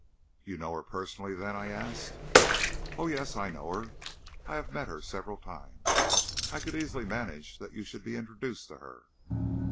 "You know her personally, then!" I asked. "Oh, yes, I know her. I have met her several times. I could easily manage that you should be introduced to her."